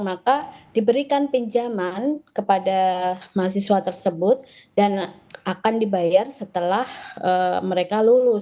maka diberikan pinjaman kepada mahasiswa tersebut dan akan dibayar setelah mereka lulus